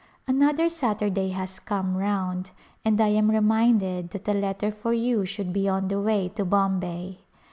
Another Saturday has come round and I am re minded that a letter for you should be on the way to Bombay.